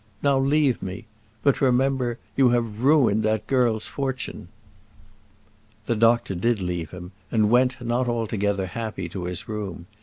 Now leave me; but remember, you have ruined that girl's fortune." The doctor did leave him, and went not altogether happy to his room.